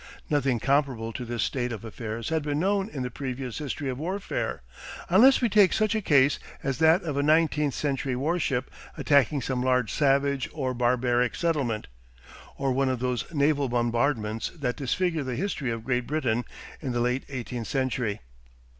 Nothing comparable to this state of affairs had been known in the previous history of warfare, unless we take such a case as that of a nineteenth century warship attacking some large savage or barbaric settlement, or one of those naval bombardments that disfigure the history of Great Britain in the late eighteenth century.